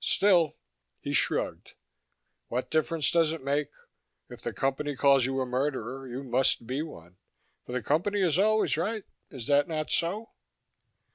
Still " he shrugged "what difference does it make? If the Company calls you a murderer, you must be one, for the Company is always right. Is that not so?"